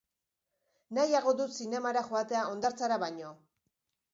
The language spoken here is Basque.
Nahiago dut zinemara joatea hondartzara baino.